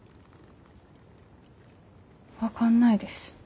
分かんないです。